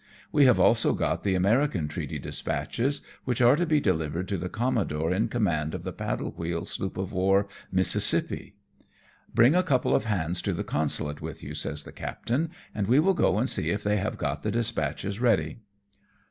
We have also got the American treaty dispatches, which are to be delivered to the commodore in command of the paddle wheel sloop of war Mississippi. "Bring a couple of hands to the consulate with you,'' says the captain, " and we will go and see if they have got the dispatches ready.''